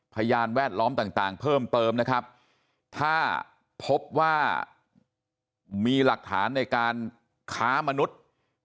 พยานแวดล้อมต่างเพิ่มเติมนะครับถ้าพบว่ามีหลักฐานในการค้ามนุษย์